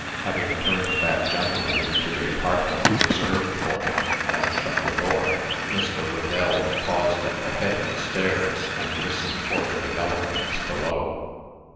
Having turned that gentleman into the apartment reserved for him, and shut the door, Mr. Whedell paused at the head of the stairs, and listened for the developments below.